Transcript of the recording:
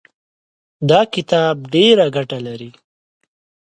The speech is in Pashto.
دا کتاب ډېره ګټه لري.